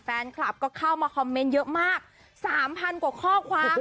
แฟนคลับก็เข้ามาคอมเมนต์เยอะมาก๓๐๐กว่าข้อความ